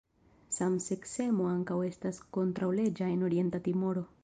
Samseksemo ankaŭ estas kontraŭleĝa en Orienta Timoro.